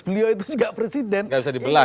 beliau itu juga presiden gak bisa dibelah